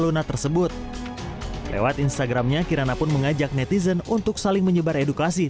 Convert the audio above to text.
luna tersebut lewat instagramnya kirana pun mengajak netizen untuk saling menyebar edukasi